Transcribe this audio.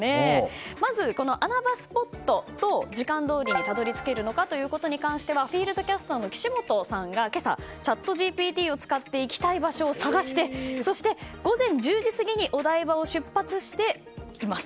まず、穴場スポットと時間どおりにたどり着けるのかについてはフィールドキャスターの岸本さんが今朝チャットＧＰＴを使って行きたい場所を探して午前１０時過ぎにお台場を出発しています。